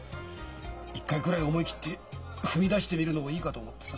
一回ぐらい思い切って踏み出してみるのもいいかと思ってさ。